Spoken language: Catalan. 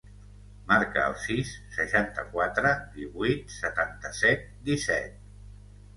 Marca el sis, seixanta-quatre, divuit, setanta-set, disset.